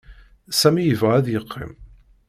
Sami yebɣa ad yeqqim.